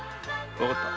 わかった。